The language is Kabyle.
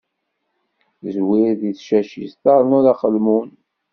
Zwir deg tacacit, ternuḍ aqelmun.